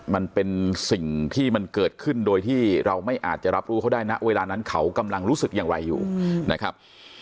มันเป็นสิ่งที่มันเกิดขึ้นโดยที่เราไม่อาจจะรับรู้เขาได้นะเวลานั้นเขากำลังรู้สึกอย่างไรอยู่นะครับ